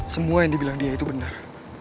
semua yang dibilang dia itu benar